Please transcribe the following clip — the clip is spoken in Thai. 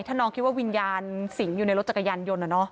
ถ้าน้องคิดว่าวิญญาณสิงอยู่ในรถจักรยานยนต์